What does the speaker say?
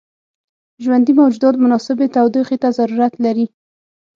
ژوندي موجودات مناسبې تودوخې ته ضرورت لري.